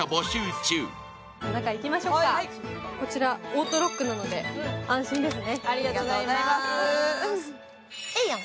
中、行きましょうかこちらオートロックなので安心ですね。